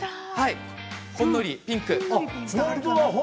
ほんのりピンク。